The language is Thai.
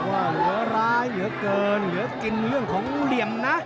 ว่าเหลือร้ายเหลือเกินเหลือกินเรื่องของเหลี่ยมนะ